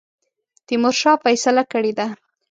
تیمورشاه فیصله کړې ده.